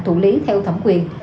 thủ lý theo thẩm quyền